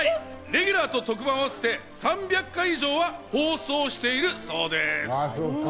レギュラーと特番を合わせて３００回以上は放送しているそうです。